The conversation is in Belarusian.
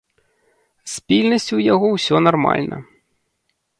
З пільнасцю ў яго ўсё нармальна.